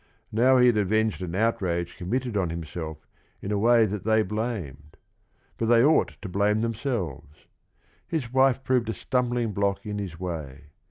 Now he had avenged an outrage committed on himself in a way that they blamed, but they ought to blame themselves. His wife proved a stumbling block in his way.